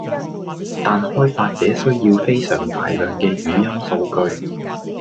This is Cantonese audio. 但開發者需要非常大量既語音數據